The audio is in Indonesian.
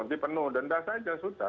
nanti penuh denda saja sudah